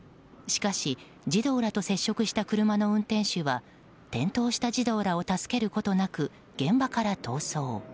しかし、児童らと接触した車の運転手は転倒した児童らを助けることなく現場から逃走。